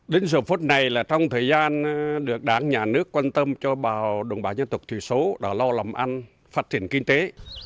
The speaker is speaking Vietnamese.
đến giờ phút này là trong thời gian được đảng nhà nước quan tâm cho bà đồng bà nhân tục thủy số đã lo lầm ăn phát triển kinh tế